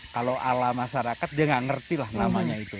kalau ala masyarakat dia tidak mengerti namanya itu